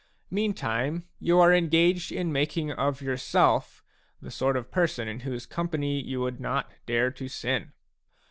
Meantime, you are engaged in making of yourself the sort of person in whose company you would not dare to sin.